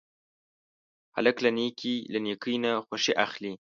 هلک له نیکۍ نه خوښي اخلي.